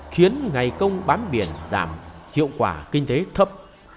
khiến ngày công bán biển giảm hiệu quả kinh tế thấp